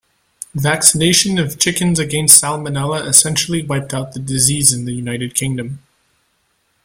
Vaccination of chickens against "Salmonella" essentially wiped out the disease in the United Kingdom.